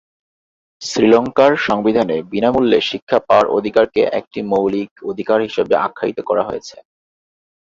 শ্রীলংকার সংবিধানে বিনামূল্যে শিক্ষা পাওয়ার অধিকারকে একটি মৌলিক অধিকার হিসাবে আখ্যায়িত করা হয়েছে।